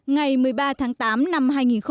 ngày một mươi ba tháng tám năm hai nghìn một mươi chín